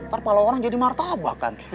ntar pala orang jadi martabak kan